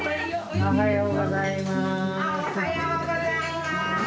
おはようございます！